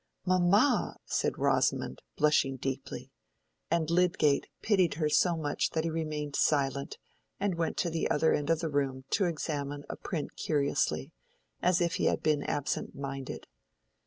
"Mamma!" said Rosamond, blushing deeply; and Lydgate pitied her so much that he remained silent and went to the other end of the room to examine a print curiously, as if he had been absent minded.